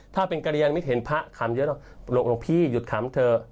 ถ้าเป็นกระเรียนมิตรเห็นพระขำเยอะต่อหลวงหลวงพี่หยุดขำเธอ